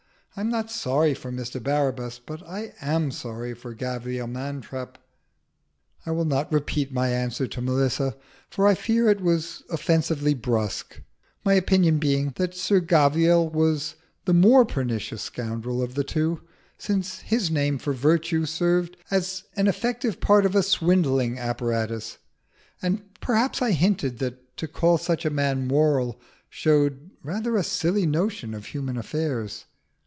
I'm not sorry for Mr Barabbas, but I am sorry for Sir Gavial Mantrap." I will not repeat my answer to Melissa, for I fear it was offensively brusque, my opinion being that Sir Gavial was the more pernicious scoundrel of the two, since his name for virtue served as an effective part of a swindling apparatus; and perhaps I hinted that to call such a man moral showed rather a silly notion of human affairs.